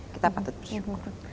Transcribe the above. kita patut bersyukur